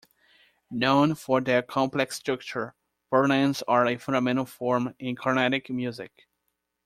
Known for their complex structure, varnams are a fundamental form in Carnatic music.